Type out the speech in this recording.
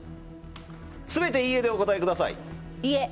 すべていいえでお答えください。